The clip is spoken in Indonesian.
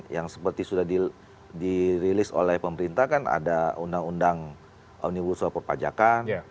yang seperti sudah dirilis oleh pemerintah kan ada undang undang omnibus law perpajakan